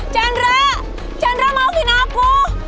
chandra chandra maafin aku